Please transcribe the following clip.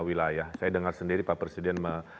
wilayah saya dengar sendiri pak presiden